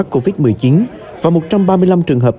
covid một mươi chín và một trăm ba mươi năm trường hợp